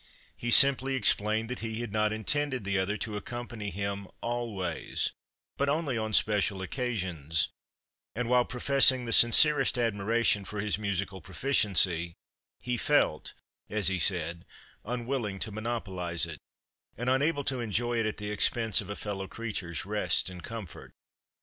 He simply explained that he had not intended the other to accompany him always, but only on special occasions; and, while professing the sincerest admiration for his musical proficiency, he felt, as he said, unwilling to monopolise it, and unable to enjoy it at the expense of a fellow creature's rest and comfort.